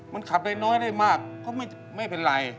มันขับได้น้อยได้มากก็ไม่เป็นไร